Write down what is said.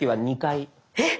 えっ！